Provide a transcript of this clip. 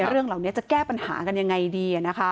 เรื่องเหล่านี้จะแก้ปัญหากันยังไงดี